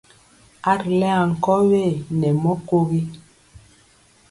A ri lɛŋ ankɔwe nɛ mɔ kogi.